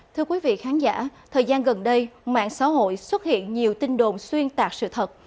thưa quý vị khán giả thời gian gần đây mạng xã hội xuất hiện nhiều tin đồn xuyên tạc sự thật